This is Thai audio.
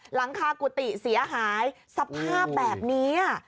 หลังคากุฏิเสียหายสภาพแบบนี้